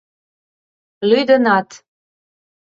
— Лӱдынат!